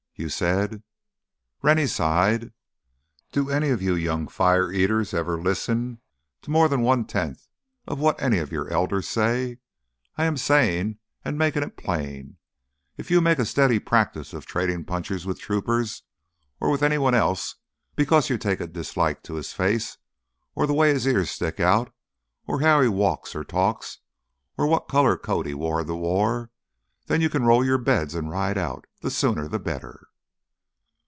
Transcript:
"You said——" Rennie sighed. "Do any of you young fire eaters ever listen to more than one tenth of what any of your elders say? I am saying and making it plain: If you make a steady practice of trading punches with a trooper or with any one else because you take a dislike to his face, the way his ears stick out, how he walks or talks, or what color coat he wore in the war, then you can roll your beds and ride out—the sooner the better.